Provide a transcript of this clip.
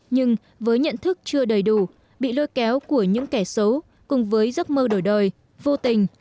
nhưng với nhận thức chưa đầy đủ bị lôi kéo của những kẻ xấu cùng với giấc mơ đổi đời vô tình